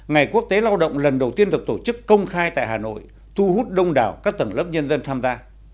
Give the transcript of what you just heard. ngày quốc tế lao động lần đầu tiên được tổ chức công khai tại hà nội thu hút đông đảo các tầng lớp nhân dân tham gia